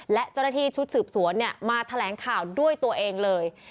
และเจ้าหน้าที่ชุดสืบสวนมาแถลงข่าวด้วยตัวเองเลย